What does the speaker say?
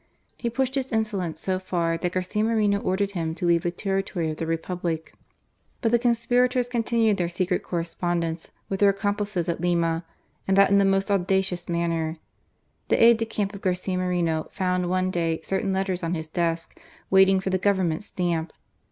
He pushed his insolence so far that Garcia Moreno ordered him to leave the territon, of the Kepubhc. But the conspirators continued their secret correspondence with their accomphces at Lima, and that in the most audacious manner. The aide de camp of Garcia Moreno found one day certain letters on his desk waiting for the Government stamp.